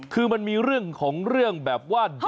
คือมันมีเรื่องของเรื่องแบบว่า